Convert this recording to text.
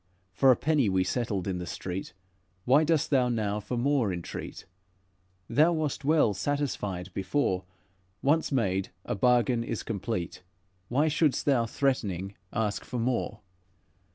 For a penny we settled in the street; Why dost thou now for more entreat? Thou wast well satisfied before. Once made, a bargain is complete; Why shouldst thou, threatening, ask for more?"